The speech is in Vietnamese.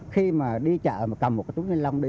khi mà đi chợ mà cầm một cái túi ni lông đi